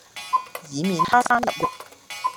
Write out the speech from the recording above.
以免它生入肉